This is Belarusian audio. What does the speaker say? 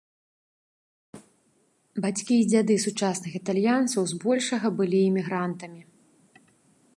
Бацькі і дзяды сучасных італьянцаў збольшага былі эмігрантамі.